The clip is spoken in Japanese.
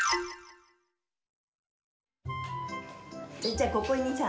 じゃここにさ